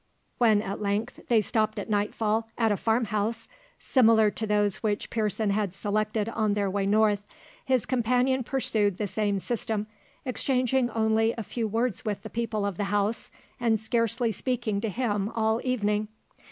When, at length, they stopped at nightfall at a farm house, similar to those which Pearson had selected on their way north, his companion pursued the same system, exchanging only a few words with the people of the house, and scarcely speaking to him all the evening.